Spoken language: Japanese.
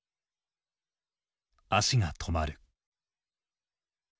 「足がとまる」。